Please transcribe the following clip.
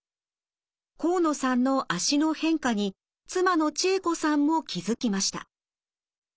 河野さんの足の変化に妻の智恵子さんも気付きました。